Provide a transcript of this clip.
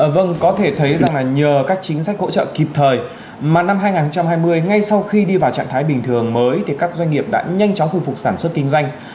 vâng có thể thấy rằng nhờ các chính sách hỗ trợ kịp thời mà năm hai nghìn hai mươi ngay sau khi đi vào trạng thái bình thường mới thì các doanh nghiệp đã nhanh chóng khôi phục sản xuất kinh doanh